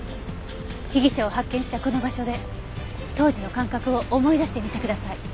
被疑者を発見したこの場所で当時の感覚を思い出してみてください。